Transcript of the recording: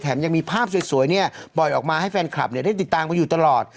ยังมีภาพสวยเนี่ยปล่อยออกมาให้แฟนคลับได้ติดตามกันอยู่ตลอด